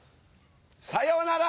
さよなら！